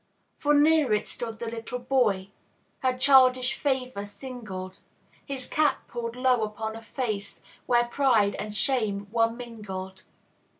For near her stood the little boy Her childish favor singled: His cap pulled low upon a face Where pride and shame were mingled.